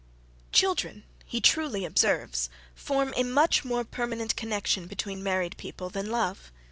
Children, he truly observes, form a much more permanent connexion between married people than love.